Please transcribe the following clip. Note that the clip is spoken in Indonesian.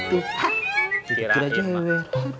cukup aja ya